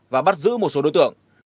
và bắt giữ một số đối tượng